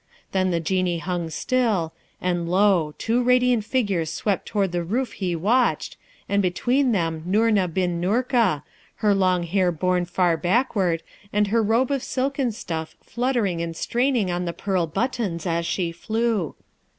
Then the Genie hung still, and lo! two radiant figures swept toward the roof he watched, and between them Noorna bin Noorka, her long dark hair borne far backward, and her robe of silken stuff fluttering and straining on the pearl buttons as she flew.